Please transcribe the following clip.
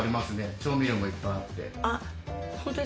調味料もいっぱいあって。